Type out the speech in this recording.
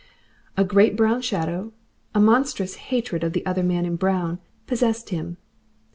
A great brown shadow, a monstrous hatred of the other man in brown, possessed him.